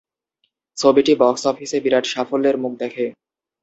ছবিটি বক্স অফিসে বিরাট সাফল্যের মুখ দেখে।